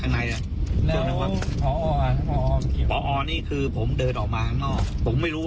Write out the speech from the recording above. ว่าความสุขไม่รู้